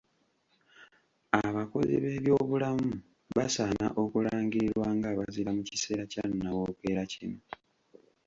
Abakozi b'ebyobulamu basaana okulangirirwa ng'abazira mu kiseera kya nawookera kino